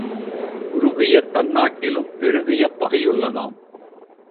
குறுகிய தன்னாட்டிலும் பெருகிய பகையுள்ளதாயும்